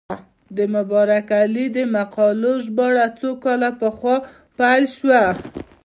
د مبارک علي د مقالو ژباړه څو کاله پخوا پیل شوه.